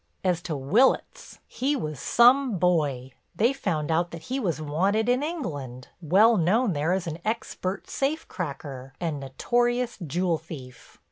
As to Willitts, he was some boy! They found out that he was wanted in England, well known there as an expert safe cracker and notorious jewel thief.